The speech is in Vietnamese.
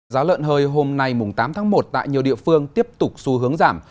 giá lợn hơi hôm nay tám tháng một tại nhiều địa phương tiếp tục xu hướng giảm